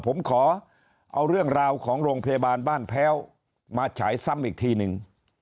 ผมขอเอาเรื่องราวของโรงพยาบาลบ้านแพ้วมาฉายซ้ำอีกทีหนึ่ง